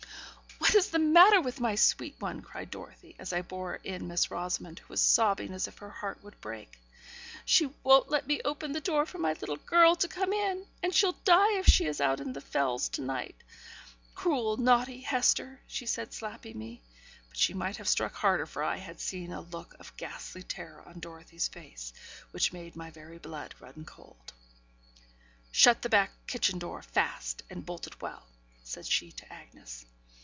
'What is the matter with my sweet one?' cried Dorothy, as I bore in Miss Rosamond, who was sobbing as if her heart would break. 'She won't let me open the door for my little girl to come in; and she'll die if she is out on the Fells all night. Cruel, naughty Hester,' she said, slapping me; but she might have struck harder, for I had seen a look of ghastly terror on Dorothy's face, which made my very blood run cold. 'Shut the back kitchen door fast, and bolt it well,' said she to Agnes.